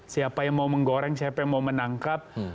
siapa yang mau menggoreng siapa yang mau menangkap